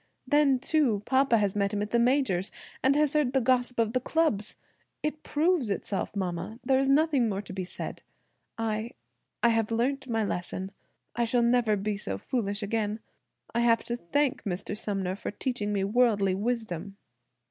Then, too, papa has met him at the Major's, and has heard the gossip of the clubs. It proves itself, mama; there is nothing more to be said. I–I have learnt my lesson–I shall never be so foolish again. I have to thank Mr. Sumner for teaching me worldly wisdom."